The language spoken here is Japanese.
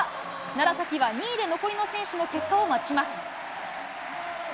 楢崎は２位で残りの選手の結果を待ちます。